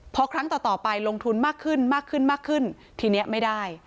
พอครั้งต่อไปลงทุนมากขึ้นมากขึ้นมากขึ้นทีนี้ไม่ได้